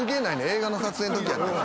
映画の撮影のときやねんそれ。